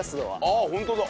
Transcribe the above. あっホントだ。